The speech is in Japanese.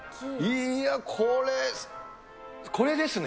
いやー、これ、これですね。